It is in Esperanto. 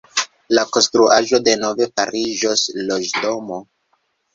La konstruaĵo denove fariĝos loĝdomo.